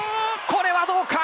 これはどうか。